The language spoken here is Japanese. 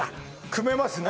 組めますね